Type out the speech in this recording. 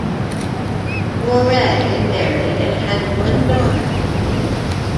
Mouret married and had one daughter.